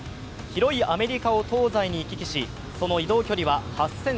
広いアメリカを東西に行き来し、その移動距離は８３００ｋｍ。